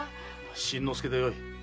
新之助でよい。